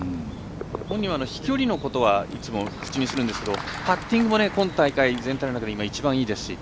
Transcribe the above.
本人は飛距離のことはいつも口にするんですけどパッティングも今大会で一番いいですし。